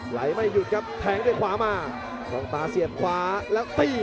ไม่หยุดครับแทงด้วยขวามากล้องตาเสียบขวาแล้วตี